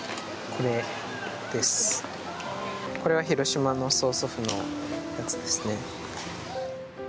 これは広島の曽祖父のやつですね。